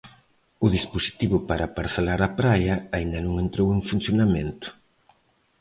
O dispositivo para parcelar a praia aínda non entrou en funcionamento.